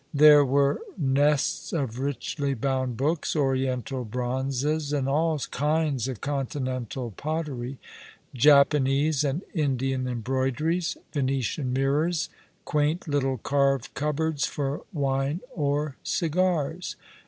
There were nests of richly bound books, Oriental bronzes, and all kinds *' Under the Pine wood!' i6i of continental pottery, Japanese and Indian embroideries, Venetian mirrors, quaint little carved cupboards for wine or cigars.